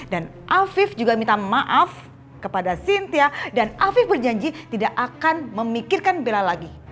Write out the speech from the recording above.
dan afif juga minta maaf kepada cynthia dan afif berjanji tidak akan memikirkan bella lagi